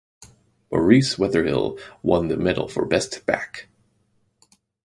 Maurice Wetherill won the medal for best back.